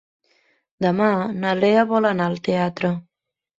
Demà na Lea vol anar al teatre.